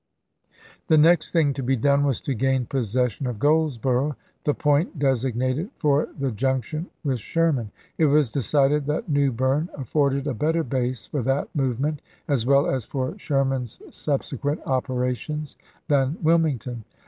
" r!com°" ^ne nex^ thing to be done was to gain possession Vp.L3^!" ot Goldsboro', the point designated for the junc tion with Sherman. It was decided that New Berne afforded a better base for that movement, as well as for Sherman's subsequent operations, than Wilmington.